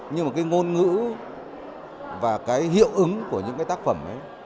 nhưng mà cái ngôn ngữ và cái hiệu ứng của những tác phẩm